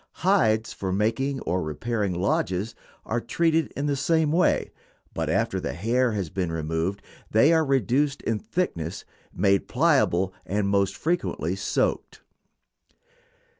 Hides for making or repairing lodges are treated in the same way, but after the hair has been removed they are reduced in thickness, made pliable, and most frequently soaked.